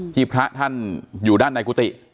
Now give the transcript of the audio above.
พระท่านอยู่ด้านในกุฏิ